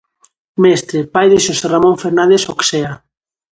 Mestre, pai de Xosé Ramón Fernández-Oxea.